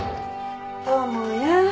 智也